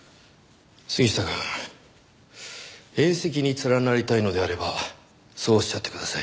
杉下くん宴席に連なりたいのであればそうおっしゃってください。